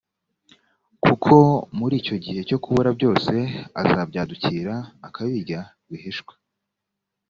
kuko muri icyo gihe cyo kubura byose azabyadukira akabirya rwihishwa: